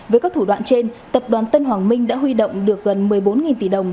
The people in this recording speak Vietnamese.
với các thủ đoạn trên tập đoàn tân hoàng minh đã huy động được gần một mươi bốn tỷ đồng